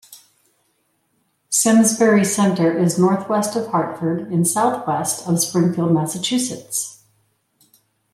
Simsbury Center is northwest of Hartford and southwest of Springfield, Massachusetts.